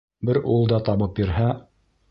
Бер ул да табып бирһә.